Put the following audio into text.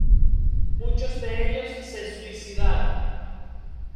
Muchos de ellos se suicidaron.